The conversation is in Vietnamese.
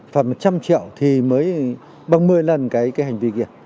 phạt một trăm linh triệu thì mới bằng một mươi lần cái hành vi kia